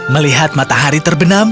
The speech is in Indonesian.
melihat matahari terbenam